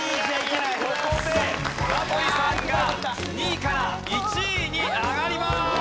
ここで名取さんが２位から１位に上がります。